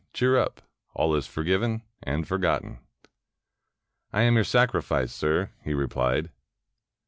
Cheer up. All is forgiven and forgotten." "I am your sacrifice, sir," he replied.